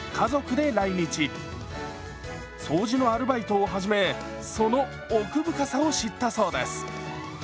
掃除のアルバイトを始めその奥深さを知ったそうです。